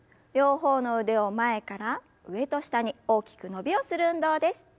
両方の腕を前から上と下に大きく伸びをする運動です。